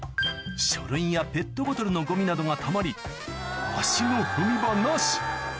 書類やペットボトルのゴミなどがたまり足の踏み場なし